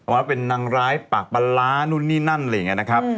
ว่าเป็นนางร้ายปากบะล้านุ่นนี่นั่นอะไรอย่างนี้นะครับ